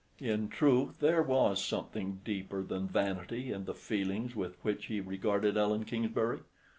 In truth, there was something deeper than vanity in the feelings with which he regarded Ellen Kingsbury.